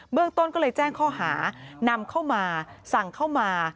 เรื่องต้นก็เลยแจ้งข้อหานำเข้ามาสั่งเข้ามา